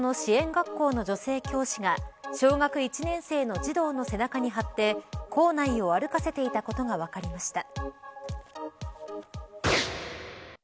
学校の女性教師が小学１年生の児童の背中に張って校内を歩かせていたことが分かりました。